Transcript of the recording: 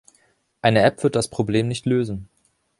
Eine App wird das Problem nicht lösen.